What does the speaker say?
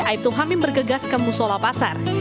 aibtu hamim berangkat ke gas ke musola pasar